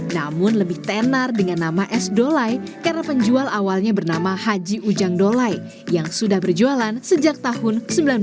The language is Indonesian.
namun lebih tenar dengan nama es dolai karena penjual awalnya bernama haji ujang dolai yang sudah berjualan sejak tahun seribu sembilan ratus sembilan puluh